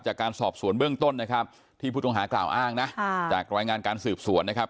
จากการสอบสวนเบื้องต้นนะครับที่ผู้ต้องหากล่าวอ้างนะจากรายงานการสืบสวนนะครับ